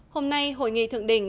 hôm nay hội nghị thượng đỉnh